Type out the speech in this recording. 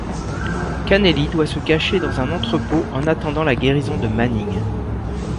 Canelli doit se cacher dans un entrepôt en attendant la guérison de Manning.